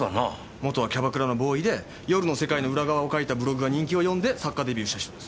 元はキャバクラのボーイで夜の世界の裏側を書いたブログが人気を呼んで作家デビューした人です。